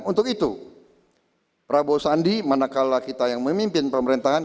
untuk itu prabowo sandi manakala kita yang memimpin pemerintahan